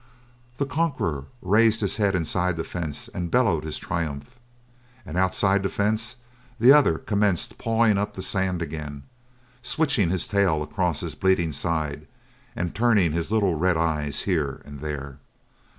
The conqueror raised his head inside the fence and bellowed his triumph, and outside the fence the other commenced pawing up the sand again, switching his tail across his bleeding side, and turning his little red eyes here and there.